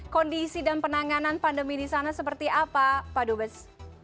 kondisi dan penanganan pandemi di sana seperti apa pak dubes